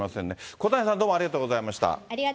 小谷さん、どうもありがとうございました。